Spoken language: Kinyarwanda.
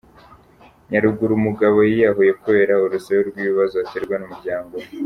Nyaruguru umugabo yiyahuye kubera urusobe rw’ ibibazo aterwa n’ umuryango we.